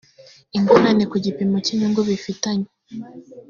ingorane ku gipimo cy inyungu bifitanye